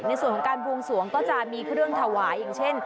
ในส่วนของการบวงสวงก็จะมีเครื่องถวายอย่างเช่น